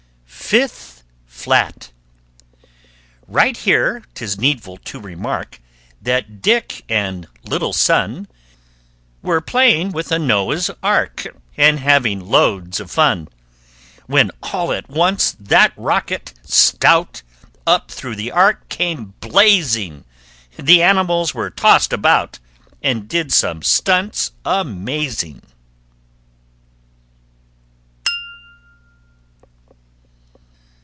[Illustration: FOURTH FLAT] FIFTH FLAT Right here 'tis needful to remark That Dick and "Little Son" Were playing with a Noah's ark And having loads of fun, When all at once that rocket, stout, Up through the ark came blazing! The animals were tossed about And did some stunts amazing.